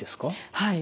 はい。